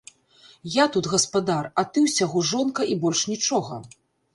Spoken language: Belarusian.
Я тут гаспадар, а ты ўсяго жонка і больш нічога!